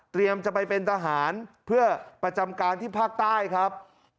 จะไปเป็นทหารเพื่อประจำการที่ภาคใต้ครับ